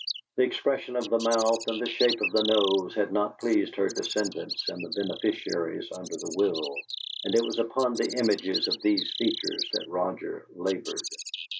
The expression of the mouth and the shape of the nose had not pleased her descendants and the beneficiaries under the will, and it was upon the images of these features that Roger labored.